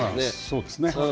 そうですね。